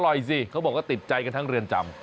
สิเขาบอกว่าติดใจกันทั้งเรือนจำ